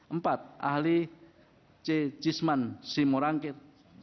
empat ahli c jisman simorangkit